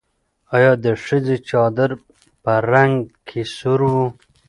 ایا د ښځې چادر په رنګ کې سور و؟